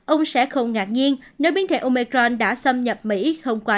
ông sẽ không ngạc nhiên nếu biến thể omicron đã xâm nhập mỹ không qua